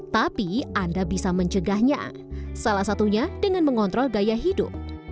tapi anda bisa mencegahnya salah satunya dengan mengontrol gaya hidup